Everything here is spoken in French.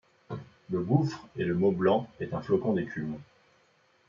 le gouffre, et le mot blanc est un flocon d’écume ;